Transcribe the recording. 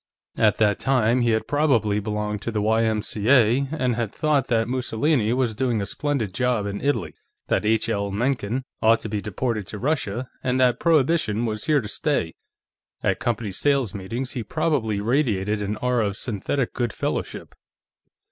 At that time he had probably belonged to the Y.M.C.A., and had thought that Mussolini was doing a splendid job in Italy, that H. L. Mencken ought to be deported to Russia, and that Prohibition was here to stay. At company sales meetings, he probably radiated an aura of synthetic good fellowship.